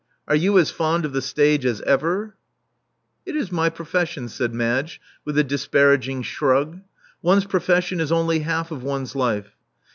Are you as fond of the stage as ever?" •*It is my profession," said Madge, with a disparag ing shrug. One*s profession is only half of one's life.